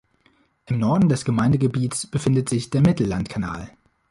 Im Norden des Gemeindegebiets befindet sich der Mittellandkanal.